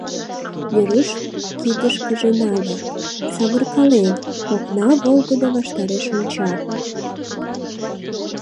Веруш кидышкыже нале, савыркален, окна волгыдо ваштареш онча.